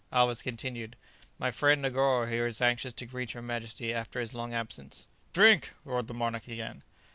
Alvez continued, "My friend Negoro here is anxious to greet your majesty after his long absence." "Drink!" roared the monarch again.